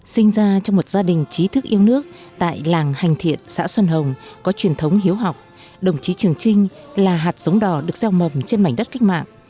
sinh ra trong một gia đình trí thức yêu nước tại làng hành thiện xã xuân hồng có truyền thống hiếu học đồng chí trường trinh là hạt sống đỏ được gieo mầm trên mảnh đất cách mạng